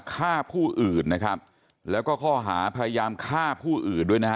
ค้าผู้อื่นนะครับแล้วก็ภายามค้าผู้อื่นด้วยนะคะ